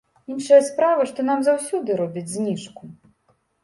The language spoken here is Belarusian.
Іншая справа, што нам заўсёды робяць зніжку.